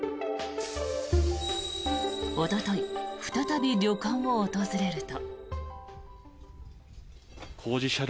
おととい再び旅館を訪れると。